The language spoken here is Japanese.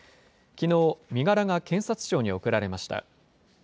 きのう、身柄が検察庁に送られました。